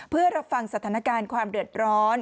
เพื่อรับฟังสถานการณ์ความเดือดร้อน